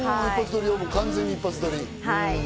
完全に一発録り。